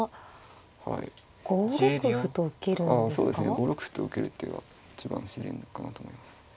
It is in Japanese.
５六歩と受ける手が一番自然かなと思います。